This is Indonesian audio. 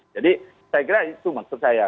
jadi saya kira itu maksud saya